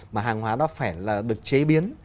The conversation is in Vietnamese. mà hàng hóa nó phải là được chế biến